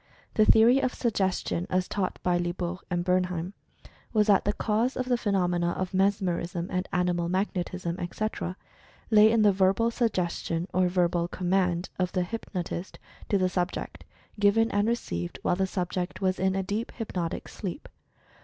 The theory of Suggestion, as taught by Lie bault and Bernheim, was that the cause of the phe nomena of "mesmerism" and "animal magnetism," etc., lay in the "Verbal Suggestion," or "Verbal Command" of the Hypnotist to the subject, given and received while the subject was in a deep hypnotic sleep.